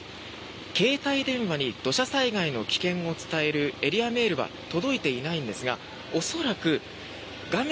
携帯電話に土砂災害の危険を伝えるエリアメールは届いていないんですが恐らく、画面